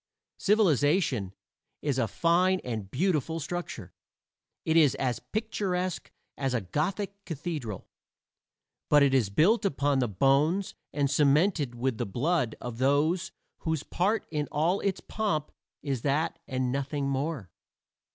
Civilization, is a fine and beautiful structure. It is as picturesque as a Gothic cathedral, but it is built upon the bones and cemented with the blood of those whose part in all its pomp is that and nothing more.